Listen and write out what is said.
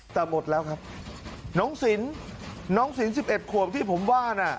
แต่หมดแล้วครับน้องสินน้องสิน๑๑ขวบที่ผมว่าน่ะ